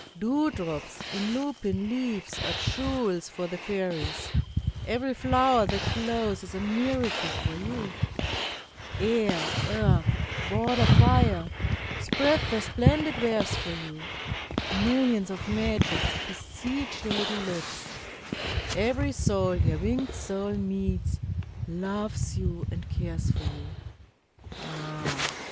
Dewdrops in lupin leaves are jewels for the fairies; Every flower that blows is a miracle for you. Air, earth, water, fire, spread their splendid wares for you. Millions of magics beseech your little looks; Every soul your winged soul meets, loves you and cares for you. Ah!